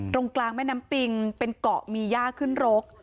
ตรงกลางแม่น้ำปิงเป็นเกาะมีย่าขึ้นรก